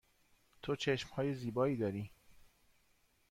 تو چشم های زیبایی داری.